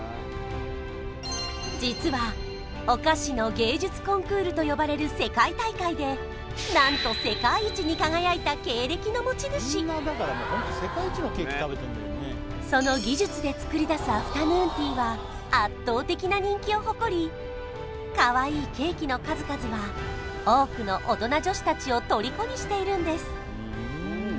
実はお菓子の芸術コンクールと呼ばれる世界大会でなんと世界一に輝いた経歴の持ち主その技術で作り出すアフタヌーンティーは圧倒的な人気を誇りかわいいケーキの数々は多くのオトナ女子たちをとりこにしているんです